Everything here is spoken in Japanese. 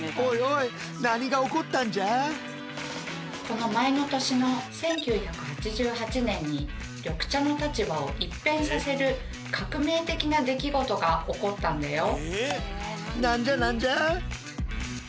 この前の年の１９８８年に緑茶の立場を一変させる革命的な出来事が起こったんだよ。